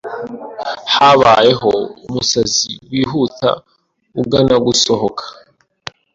Habayeho umusazi wihuta ugana gusohoka.